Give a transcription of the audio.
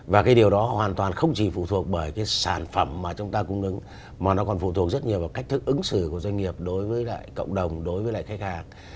và cái điều đó hoàn toàn không chỉ phụ thuộc bởi cái sản phẩm mà chúng ta cung ứng mà nó còn phụ thuộc rất nhiều vào cách thức ứng xử của doanh nghiệp đối với lại cộng đồng đối với lại khách hàng